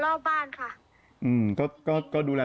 แล้วก็ขอพ้อนก็คือหยิบมาเลยค่ะพี่หมดำ